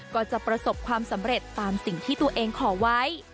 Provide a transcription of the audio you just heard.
ก็จะประสบความสำเร็จตามสิ่งที่ตัวเองขอไว้